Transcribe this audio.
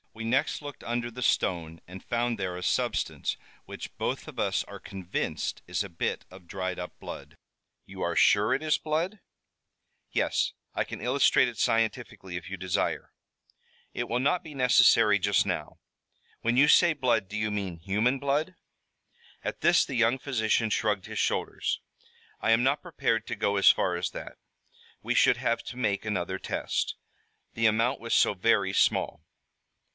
We next looked under the stone and found there a substance which both of us are convinced is a bit of dried up blood." "You are sure it is blood?" "Yes. I can illustrate it scientifically, if you desire." "It will not be necessary just now. When you say blood do you mean human blood?" At this the young physician shrugged his shoulders. "I am not prepared to go as far as that. We should have to make another test. The amount was so very small."